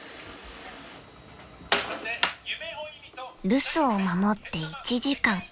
［留守を守って１時間］